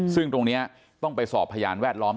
ซึ่งตรงนี้ต้องไปสอบพยานแวดล้อม